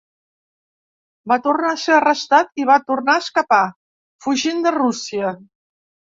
Va tornar a ser arrestat i va tornar a escapar, fugint de Rússia.